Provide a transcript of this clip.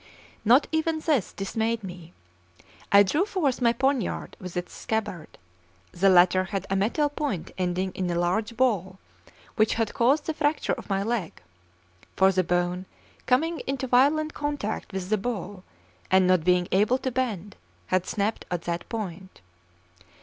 Not even this dismayed me: I drew forth my poniard with its scabbard; the latter had a metal point ending in a large ball, which had caused the fracture of my leg; for the bone, coming into violent contact with the ball, and not being able to bend, had snapped at that point.